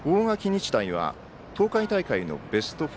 日大は東海大会のベスト４。